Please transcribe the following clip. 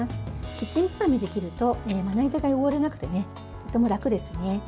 キッチンばさみで切るとまな板が汚れなくてとても楽ですね。